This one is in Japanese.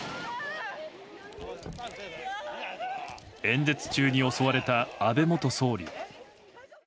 演説中に襲われた安倍元総理。